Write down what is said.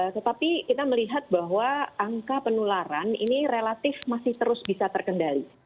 tetapi kita melihat bahwa angka penularan ini relatif masih terus bisa terkendali